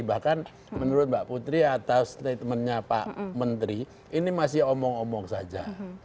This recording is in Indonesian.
bahkan menurut mbak putri atau statementnya pak menteri ini masih omong omong saja